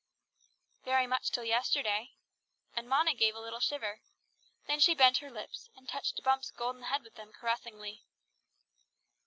"Very much till yesterday," and Mona gave a little shiver. Then she bent her lips, and touched Bumps' golden head with them caressingly.